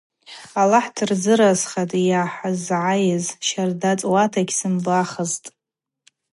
Алахӏ дырзыразхатӏ йъахӏызгӏайыз, щарда цӏуата йгьсымбахсызтӏ.